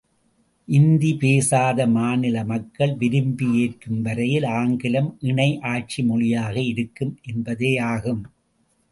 இந்தி பேசாத மாநில மக்கள் விரும்பி ஏற்கும் வரையில் ஆங்கிலம் இணை ஆட்சி மொழியாக இருக்கும் என்பதேயாகும்.